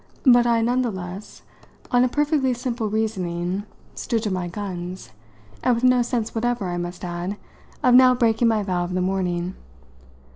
But I none the less, on a perfectly simple reasoning, stood to my guns, and with no sense whatever, I must add, of now breaking my vow of the morning.